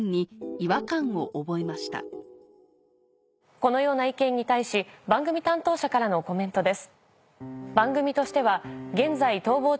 このような意見に対し番組担当者からのコメントです。